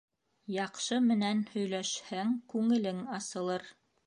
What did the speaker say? Яҡшы менән һөйләшһәң, күңелең асылыр.